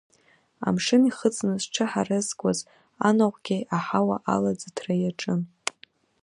Амшын ихыҵны зҽыҳаразкуаз анаҟәгьы аҳауа алаӡыҭра иаҿын.